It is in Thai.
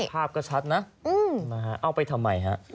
ภาพก็ชัดนะเอาไปทำไมฮะ